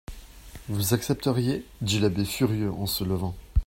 Vous accepteriez ? dit l'abbé furieux, et se levant.